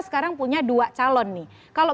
sekarang punya dua calon nih kalau